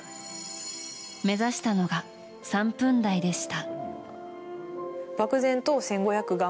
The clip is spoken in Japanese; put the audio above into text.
目指したのが３分台でした。